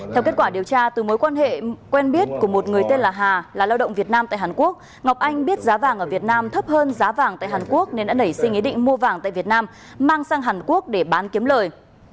theo kết quả điều tra từ mối quan hệ quen biết của một người tên là hà là lao động việt nam tại hàn quốc ngọc anh biết giá vàng ở việt nam thấp hơn giá vàng tại hàn quốc nên đã nảy sinh ý định mua vàng tại việt nam mang sang hàn quốc để bán kiếm lời